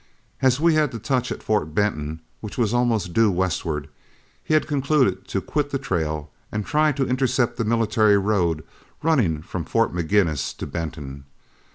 As we had to touch at Fort Benton, which was almost due westward, he had concluded to quit the trail and try to intercept the military road running from Fort Maginnis to Benton.